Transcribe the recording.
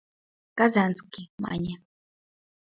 Казанский, — мане.